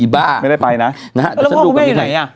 บ้าพ่อคุณไม่ได้กินอยู่ไหนอะ